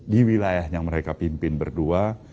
di wilayah yang mereka pimpin berdua